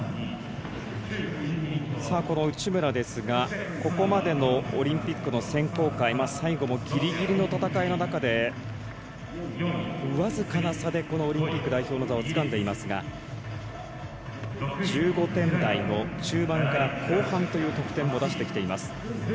この内村ですがここまでのオリンピックの選考会最後もギリギリの戦いの中で僅かな差でオリンピック代表の座をつかんでいますが１５点台の中盤から後半という得点を出してきています。